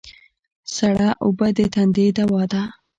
سړه اوبه د تندې دوا ده